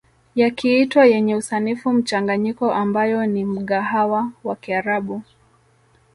Yakiitwa yenye usanifu mchanganyiko ambayo ni mgahawa wa kiarabu